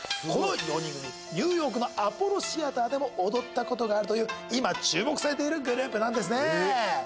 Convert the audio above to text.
この４人組ニューヨークのアポロ・シアターでも踊ったことがあるという今注目されているグループなんですね